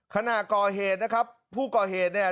ขณะก่อเหตุนะครับผู้ก่อเหตุเนี่ย